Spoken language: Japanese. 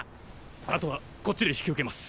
後はこっちで引き受けます。